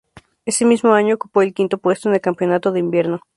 Ese mismo año ocupó el quinto puesto en el Campeonato de Invierno.